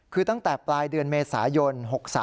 คือตั้งแต่ปลายเดือนเมษายน๖๓